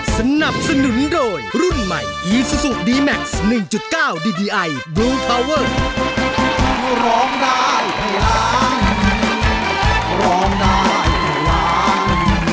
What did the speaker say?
ถ้าร้องได้ให้ร้านถ้าร้องได้ให้ร้าน